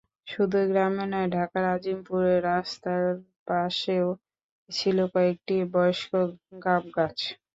শুধু গ্রামে নয়, ঢাকার আজিমপুরের রাস্তার পাশেও ছিল কয়েকটি বয়স্ক গাবগাছ।